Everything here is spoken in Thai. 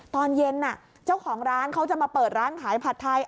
ตอนเย็นเจ้าของร้านเขาจะมาเปิดร้านขายผัดไทย